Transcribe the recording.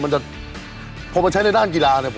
มันใช้ในด้านกีฬาเนี่ย